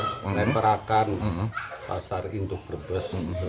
di perakan pasar induk rebes